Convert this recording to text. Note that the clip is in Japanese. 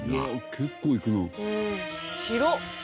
結構行くな。